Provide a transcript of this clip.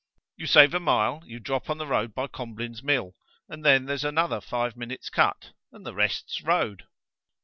"You save a mile; you drop on the road by Combline's mill, and then there's another five minutes' cut, and the rest's road."